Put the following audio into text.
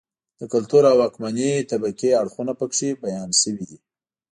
د کلتور او واکمنې طبقې اړخونه په کې بیان شوي دي.